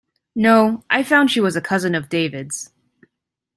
No, I found she was a cousin of David's.